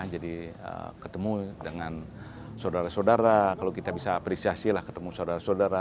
jadi ketemu dengan saudara saudara kalau kita bisa apresiasi ketemu saudara saudara